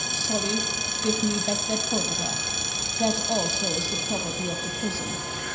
" Solly, give me back that photograph. That also is the property of the prison.